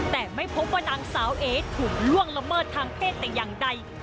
แต่ไม่พบว่านางสาวเอถูกล่วงละเมิดทางเพศแต่อย่างใด